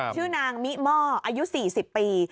ชื่อนางมิม่ออายุ๔๐ปี